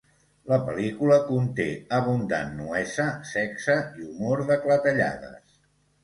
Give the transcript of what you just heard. La pel·lícula conté abundant nuesa, sexe i humor de clatellades.